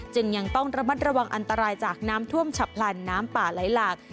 ยังต้องระมัดระวังอันตรายจากน้ำท่วมฉับพลันน้ำป่าไหลหลาก